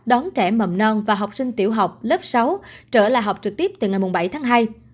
đón trẻ mầm non và học sinh tiểu học lớp sáu trở lại học trực tiếp từ ngày bảy tháng hai